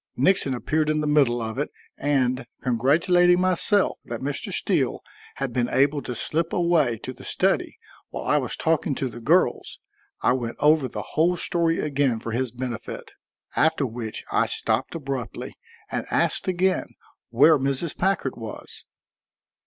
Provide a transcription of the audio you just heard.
Nixon appeared in the middle of it, and, congratulating myself that Mr. Steele had been able to slip away to the study while I was talking to the girls, I went over the whole story again for his benefit, after which I stopped abruptly and asked again where Mrs. Packard was.